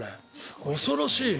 恐ろしいね。